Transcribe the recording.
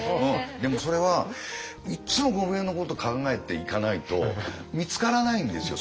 でもそれはいっつもゴムヘビのこと考えていかないと見つからないんですよ